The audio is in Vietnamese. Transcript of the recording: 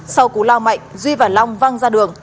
sau cú lao mạnh duy và long văng ra đường